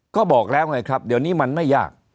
ก็บอกแล้วไงครับเดี๋ยวนี้มันไม่ยาก